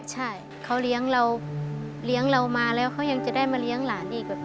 ใช่เขาเลี้ยงเราเลี้ยงเรามาแล้วเขายังจะได้มาเลี้ยงหลานอีกแบบ